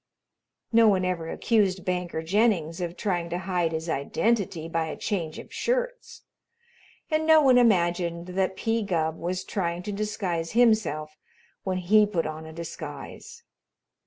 No one ever accused Banker Jennings of trying to hide his identity by a change of shirts, and no one imagined that P. Gubb was trying to disguise himself when he put on a disguise.